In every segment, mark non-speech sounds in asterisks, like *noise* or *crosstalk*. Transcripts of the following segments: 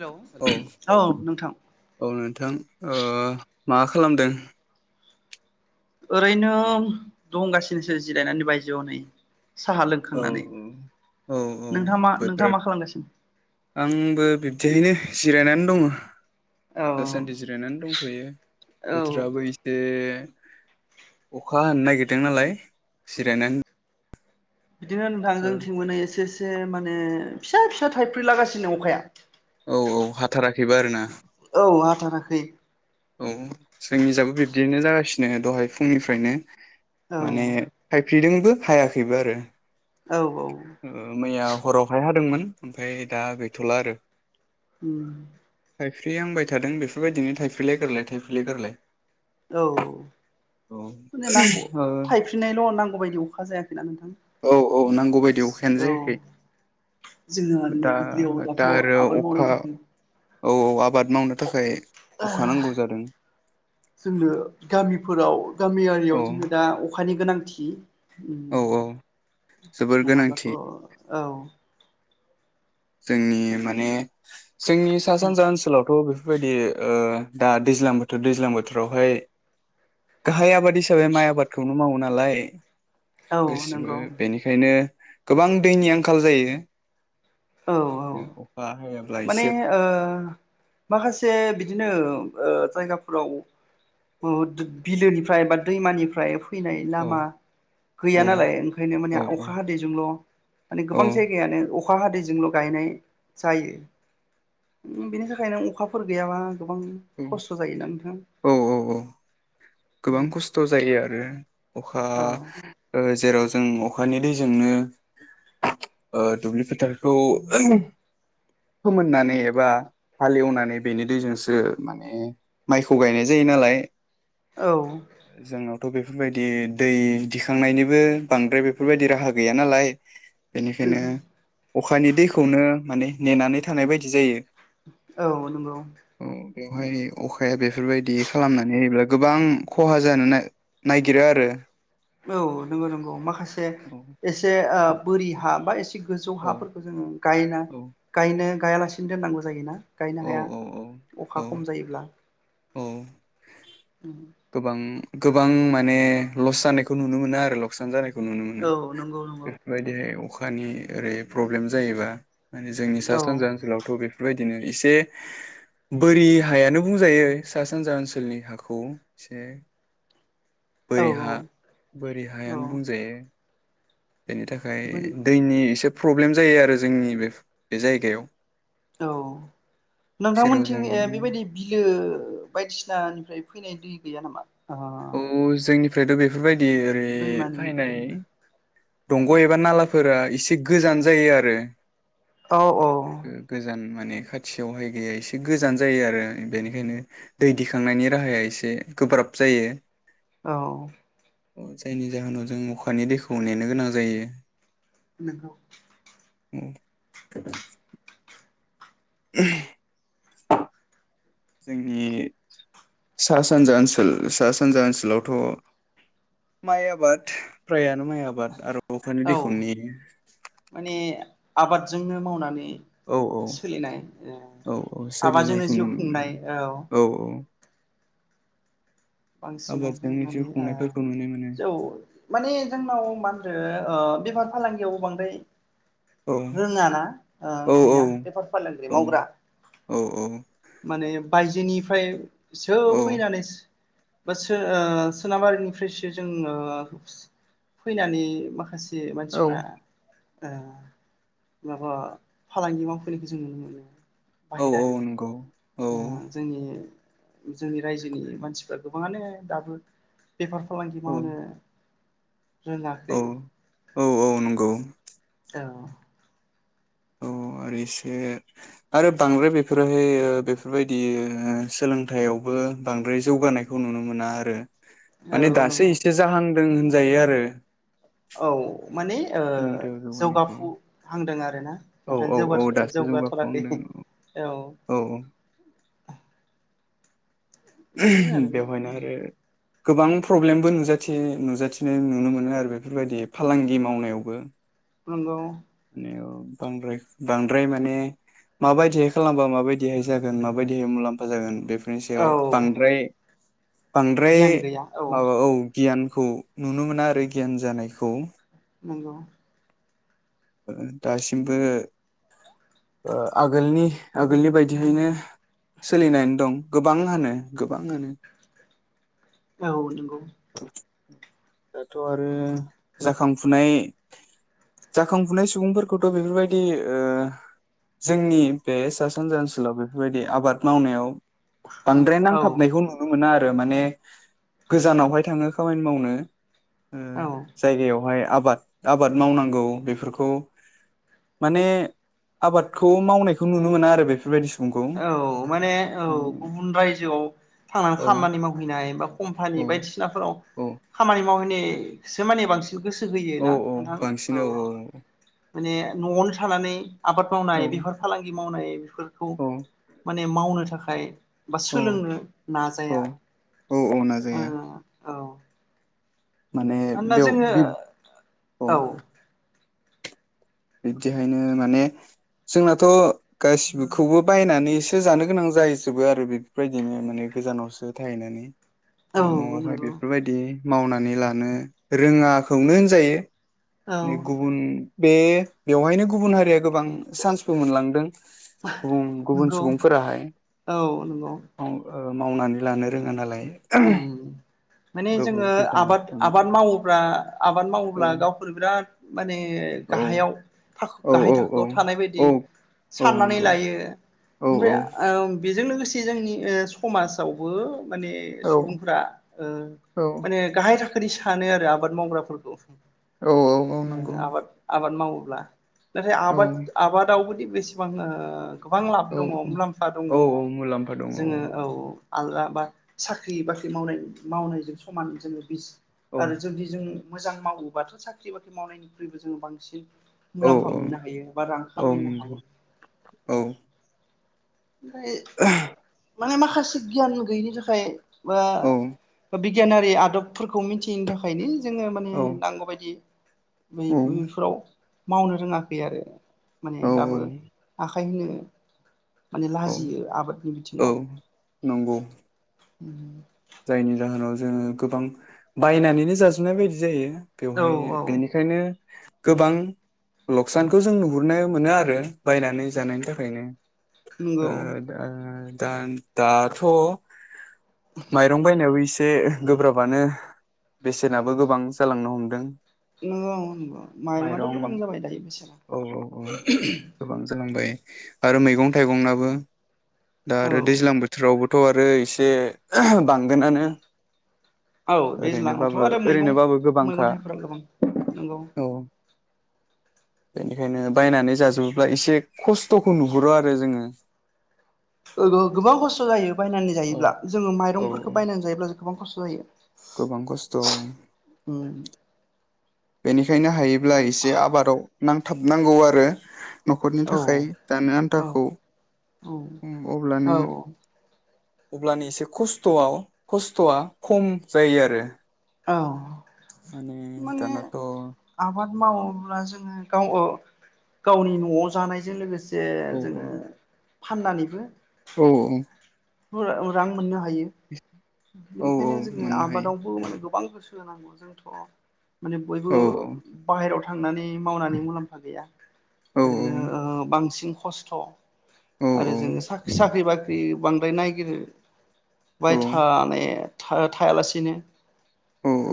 Hello औ औ नोंथां ओ। मा खालामदों? ओरैनो दंगासिनोसो जिरायनानै बायजोआव नै साहा औ लोंखांनानै औ औ औ नोंथाङा मा बोथोर नोंथाङा मा खालामगासिनो? आंबो बिब्दिहैनो। जिरायनानै दङ। औ दासान्दि जिरायनानै दंथयो औ बोथोराबो एसे अखा हानो नागिरदों नालाय जिरायनानै। बिदिनो नोंथां जोंथिंबो नै एसे एसे माने फिसा फिसा थाइफ्रिलागासिनो अखाया। औ औ हाथाराखैबो आरो ना। थाराखै औ जोंनिजाबो बिब्दिनो जागासिनो दहाय फुंनिफ्रायनो। औ माने थाय फ्रिदोंबो हायाखैबो आरो औ औ ओ मैया हरावहाय हादोंमोन। ओमफ्राय दा गैथ'ला आरो उम थाइफ्रि हांबाय थादों बेफोरबायदिनो थाइफ्रिलाय गारलाय थायफ्रिलाय गोरलाय औ माने नांगौ ओ थायफ्रिनायल' नांगौ बायदि अखा जायाखैना नोंथां। औ औ नांगौ बायदि अखायानो औ जायाखै जोङो दा दुब्लियाव दाथ' दा आरो आबाद अखा मावनायनि औ औ आबाद मावनो थाखाय अखा नांगौ जादों जोंनो गामिफोराव औ गामियारियाव जों दा अखा खानि गोनांथि उम औ औ जोबोर नङाब्लाथ' गोनांथि औ। जोंनि माने जोंनि सा सानजा ओनसोलावथ' बेफोरबायदि ओ दा दैज्लां बोथोर दैज्लां बोथोरावहाय गाहाय आबाद हिसाबै माइ आबाद। आबादखौनो मावो नालाय। औ गासैबो नंगौ बेनिखायनो गोबां दैनि आंखाल जायो। औ औ अखा हाया माने ओ माखासे बिदिनो ओ जायगाफोराव ओ बिलोनिफ्राय बा दैमानिफ्राय फैनाय औ लामा औ गैया नालाय ओंखायनो औ माने अखा हादैजोंल' माने औ गोबां जायगायानो अ अखा हादैजोंल' गायनाय जायो। बिनि थाखाय नों अखाफोर गैयाबा गोबां खस्थ' जायोना नोंथां औ औ औ गोबां खस्थ' जायो आरो अखा ओ जेराव जों अखानि दैजोंनो ओ दुब्लि फोथारखौ फोमोननानै एबा हालेवनानै बेनि दैजोंसो माने माइखौ गायनाय जायो नालाय औ जोङो थ' बेफोरबायदि दै दिखांनायनिबो बांद्राय बेफोरबायदि दि राहा गैया नालाय बेनिखायनो अखानि दैखौनो माने नेनानै थानाय बायदि जायो औ नंगौ औ बेवहाय अखाया बेफोरबायदि खालामनानै होब्ला गोबां खहा जानो नागिरो आरो औ नंगौ नंगौ माखासे औ एसे ओ बोरि हा बा एस गोजौ औ हाफोरखौ जोङो गायना औ गायनो गायालासिनो दोननांगौ जायोना गायनो औ हाया औ अखा औ औ खम जायोब्ला औ गोबां गोबां माने लस जानायखौ नुनो मोनो आरो लकसान जानायखौ खौ नुनो मोनो औ नंगौ नंगौ बेफोरबायदिहाय अखा अखानि ओरै प्रब्लेम जायोबा माने जोंनि सा औ सानजा ओनसोलावथ' बेफोरबायदि बिदिनो एसे बोरि हायानो बुंजायो सा सानजा ओनसोलनि हाखौ एसे औ बोरि हा बोरि हायानो औ बुंजायो बेनि थाखाय बोरि दैनि एसे प्रब्लेम जायो आरो जोंनि बे बे जायगायाव औ जेराव जों नोंथांमोनथिं ए बेबायदि बिलो बायदिसिनानिफ्राय फैनाय दै गैया नामा? ओ औ जोंनि फ्रायथ' बेफोरबायदि ओरै दैमानि फायनाय बिलोनि दंग' एबा नालाफोरा एसे गोजान जायो आरो औ औ गोजान माने खाथियावहाय गैया एसे गोजान जायो आरो बेनिखायनो दै दिखांनायनि राहाया एसे गोब्राब जायो औ अ जायनि जाहोनाव जों अखानि दैखौ नेना नेनो गोनां जायो नोंगौ औ *unintelligible* *inaudible* जोंनि सा सानजा ओनसोल सा सानजा ओनसोलावथ' माइ आबाद फ्राया माइ आबाद आरो अखानि औ दैखौ नेयो माने आबादजोंनो मावनानै औ औ सोलिनाय ओ औ औ आबादजोंनो सोलिनायखौ जिउ नुनो मोनो खुंनाय औ औ बांसिनानो आबादजोंनो जिउ माने ओ खुंनायफोरखौ नुनो मोनो जौ माने जोंनाव मा होनदो ओ बेफार फालांगियावबो बांद्राय औ रोङा ना ओ औ गैया बेफार फालांगि औ मावग्रा औ माने बायजो निफ्राय सो औ फैनानैसो बा सो ओ सोनाबारिनिफ्रायसो जोङो फैनानै माखासे मानसिफ्रा औ ओ माबा फालांगि मावफैनायखौ जों नुनो मोनो औ बाहेरारि औ नंगौ औ ओ जोंनि जोंनि रायजोनि मानसि गोबाङानो दाबो बेफार फालांगि औ मावनो औ रोङाखै औ औ नंगौ औ औ आरो एसे आरो बांद्राय बेफोरावहाय बेफोरबायदि सोलोंथायावबो बांद्राय जौगानायखौ नुनो मोना आरो औ माने दासो नंगौ इसे जाहां दों होनजायो आरो औ माने ओ सोलोंथायाइयाव जौगानायखौ जौगाफुहांदों आरोना औ नोंथां औ जौगा औ दासो जौगाथाराखै जौगाफुहांदों औ बेनो आरो बेवहायना नोंथां आरो गोबां प्रब्लेमबो नुजाथि नुजाथिनाय नुनो मोनो आरो बेफोरबायदि फालांगि मावनायावबो। नोंगौ माने बांद्राय बांद्राय माने माबायदिहाय खालामबा माबायदिहाय जागोन माबायदिहाय मुलाम्फा जागोन बेफोर बिफोरनि औ सायाव बांद्राय बांद्राय गियान गैया माबा औ गियानखौ नुनो मोना आरो गियान जानायखौ नंगौ दासिमबो ओ आगोलनि आगोलनि बायदियैनो सोलिनानै दं गोबाङानो गोबाङानो औ नंगौ। दाथ' आरो जाखांफुनाय जाखांफुनाय सुबुंफोरखौथ' बेफोरबायदि जोंनि बे सा सानजा ओनसोलाव बेफोरबायदि आबाद मावनायाव बांद्राय औ नांथाबनायखौ नुनो मोना आरो आरो माने गोजानावहाय थाङो खामानि मावनो। ओ औ जायगायाव। बेवहाय आबाद आबाद मावनांगौ बेफोरखौ माने आबादखौ मावनायखौ नुनो मोना आरो बेफोरबायदि सु औ माने औ गुबुन रायजोआव थांनानै औ खामानि मावहैनाय बा कम्पानि औ बायदिसिनाफोराव औ खामानि मावहै सो मानि बांसिन गोसो होयो औ ना औ नोंथां बांसिन औ माने न'आवनो थानानै आबाद औ मावनाय बेफार फालांगि मावनाय फोरखौ औ माने मावनो थाखाय बा औ सोलोंनो नाजाया औ औ औ नाजाया औ माने मानोना बेयाव जोङो बि औ बिबदिहायनो माने जोंनाथ' गाससिखौबो बायनानैसो जानो गोनांं जाहैजोबो आरो बेफोरबायदिनो माने गोजानावसो थाहैनानै ओ औ न'आवहाय नंगौ बेफोरबायदि मावनानै लानो रोङा खौनो होनजायो। औ ने गुबुन बे बेवहायनो गुबुन हारिया गोबां सान्सबो मोनलांदों गुब गुबुन नंगौ सुबुंफोराहाय औ नंगौ औ ओ बा मावनानै लानो रोङा नालाय उम माने गोबाव जोङो गोजानाव आबाद थां आबाद मावोब्ला आबाद औ मावोब्ला गाव फोर बिराद माने औ गाहायाव थाख थाखो औ गाहाय औ थाखोआव थानाय बायदि औ औ साननानै नंगौ लायो औ ओमफ्राय औ आव बेजों लोगोसे जोंनि ओ समाजावबो माने औ सुबुंफोरा ओ औ माने गाहाय थाखो नि सानो आरो आबाद मावग्राफोरखौ उम औ औ औ नंगौ आबाद आबाद माव ब्ला नाथाय औ आबाद आबादावबो दि बिसिबां ओ गोबां लाब औ दङ औ मुलाम्फा दङ औ औ मुलाम्फा दङ जोङो औ आल गा बा साख ख्रि बाख्रि मावनाय मावनायजों समान जोङो बिस औ आरो जुदि जों मोजां मावोबाथ' साख्रि बाख्रि मावनायनिख्रुइबो जोङो बांसिन औ मुलाम्फा मोननो हायो बा रां औ खामायनो नंगौ हायो औ अ है माने माखासे गियान गैयिनि थाखाय बा औ अनेख गियानारि आदबफोरखौ मिनथियैनि थाखायनो जोङो माने औ नांगौबायदि बे औ बै फोराव मावनो रोङाखै आरो माने औ दाबो आ थायनो माने औ लाजियो आबादनि औ बिथिङाव नंगौ म जायनि जाहोनाव जोङो गोबां बायनानैनो जाजोबनाय बायदि जायो औ बेवहाय औ बेनिखायनो गोबां लकसानखौ जों नुहुरनो मोनो आरो बायनानै जानायनि थाखायनो नंगौ दा दाथ' माइरं बाय नायाब इस एसे गोब्राबानो बेसेनाबो गोबां जालांनो हमदों नंगौ नंगौ माइरंआथ' माइरं गोबां जाबाय दायो बेसोरा। औ औ औ गोबां जालांबाय आरो मैगं थाइगंनाबो दा औ आरो दैज्लां बोथोरावबो थ' आरो इसे *unintelligible* बांगोनानो औ दैज्लाङावथ' ओरैनोबाबो आरो मैगं ओरैनोबाबो गोबांखा मैगं थाइफोरा गोबां नोंगौ। औ बेनिखायनो बायनानै जाजोबोब्ला एसे खस्थ'खौ नुहुरो आरो जोङो। ओ गो गोबां खस्थ' जायो। बायनानै औ जायोब्ला जोङो औ माइरंफोरखो बायनानै जायोब्ला गोबां खस्थ' जायो। गोबां खस्थ' उम बेनिखायनो हायो ब्ला एसे आबादाव नांथाबनांगौ आरो। न'खरनि औ थाखाय दानो औ आन्थाखौ औ उम औ अब्लानो अल्बानि एसे खस्थ'आव खस्थ'आ खम जायो आरो। अह माने माने दानाथ' आबाद मावोब्ला जोङो गाव ओ गावनि न'आव जानायजों लोगोस से औ जोङो फाननानैबो औ औ फो रां मोननो हा यो औ औ बेनिखायनो जोङो मोननो हायो आबादावबो माने द गोबां गोसो होनांगौ जोंथ' माने बयबो औ बाहेराव थांनानै मावनानै मुलाम्फा गैया औ ओरैनो ओ बांसिन खस्थ' औ आरो जोङो सा साख्रि बाख्रि बाय नागिरो बाय औ थाने था थायालासिनो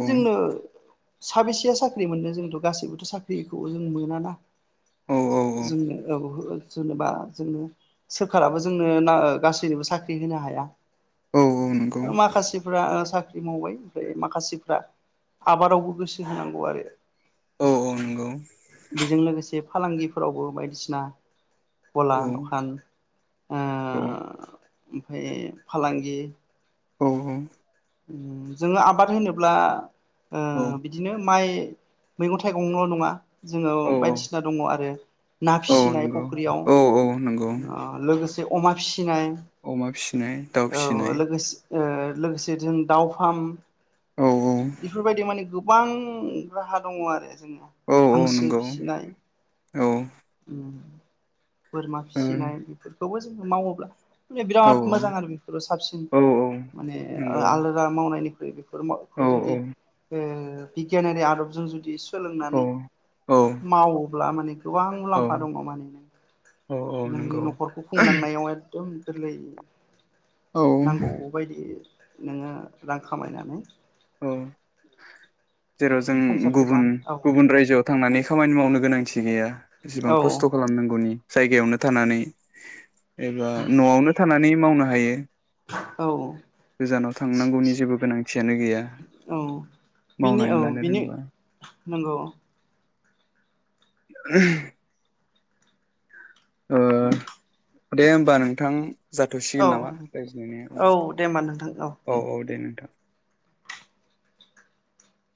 जोंनो साबेसेया साख्रि मोन्नो जोंथ' गासैबोथ' साख्रिखौ जों मोना ना। औ औ जोंनि औ जेनेबा जोंनो सोरखाराबो जोंनो गासैनोबो साख्रि होनो हाया औ नंगौ माखासेफ्रा साख्रि मावबाय ओमफ्राय माखासेफ्रा आबादावबो गोसो होनांगौ आरो औ औ नंगौ बेजों लोगोसे फालांगिफोरावबो बायदिसिना गला औ दखान ओ औ ओमफ्राय फालांगि औ औ जोङो आबाद होनोब्ला ओ बिदिनो माइ मैगं थाइगंल' नङा जोङो औ बायदिसिना दङ आरो ना औ फिसिनाय नंगौ फुख्रियाव औ औ नंगौ ओ लोगोसे अमा फिसा फिसिनाय अमा फिसिनाय दाउ औ फिसिनाय लोगोसे ओ लोगोसे जों दाउ फार्म औ औ बेफोरबायदि माने गोबां राहा दङ आरो जोङो औ औ हांसो नंगौ फिसिनाय औ ओ बोरमा फिसिनाय बेफोर बेखौबो जोंङो मावोब्ला मान औ बिराद मोजां आरो बेफोरो साबसिन औ माने नंगौ आलादा मावनायनिख्रुइ औ बेफोरखौ औ जुदि बिगियानारि आदबजों जुदि सोलोंनानै औ मावो अब्ला मानि गोबां मुलाम्फा दङ माने औ औ नोंनि नंगौ न'खरखौ खुंलांनायावहाय गोरलै औ नांगौ बायदि नोङो रां खामायनानै औ जेराव जों संसारखौ गुबुन जानो गुबुन औ रायजोआव थांनानै खामानि मावनो गोनांथि गैया एसेबां औ खस्थ' खालामनांगौनि जायगायावनो थानानै एबा न'आवनो थानानै मावनो हा हायो औ गोजानाव थांनांगौनि जेबो गोनांथियानो गैया औ बिनि मावनानै औ लानो बिनो रोंबा नंगौ *inaudible* ओ दे होमबा नोंथां औ जाथ'सिगोन नामा रायज्लायनाया औ औ औ दे नोंथां